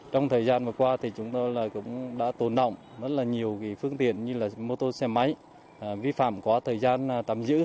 trong thời gian vừa qua chúng tôi cũng đã tồn động rất nhiều phương tiện như mô tô xe máy vi phạm quá thời gian tạm dữ